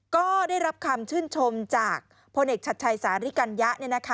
ก็ได้รับคำชื่นชมจากพลเอกชัดชัยสาริกัญญะ